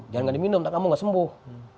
jangan diminum nanti kamu nggak sembuh